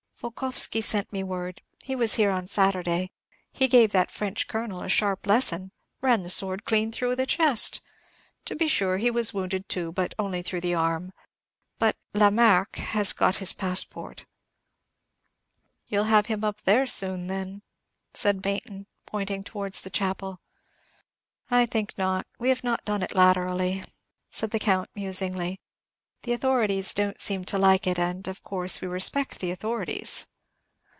Volkoffsky sent me word. He was here on Saturday. He gave that French colonel a sharp lesson. Ran the sword clean through the chest. To be sure, he was wounded too, but only through the arm; but 'La Marque' has got his passport." "You'll have him up there soon, then," said Baynton, pointing towards the chapel. "I think not. We have not done it latterly," said the Count, musingly. "The authorities don't seem to like it; and, of course, we respect the authorities!"